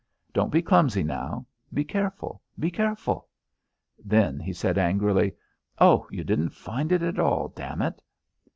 Don't be clumsy now! Be careful! Be careful!" Then he said, angrily, "Oh, you didn't find it at all. Damn it!"